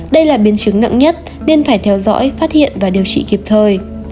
đây là biến chứng nặng nhất nên phải theo dõi phát hiện và điều trị kịp thời